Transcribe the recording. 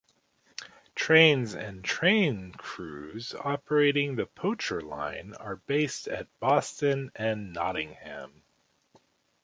Trains and train crews operating the Poacher Line are based at Boston and Nottingham.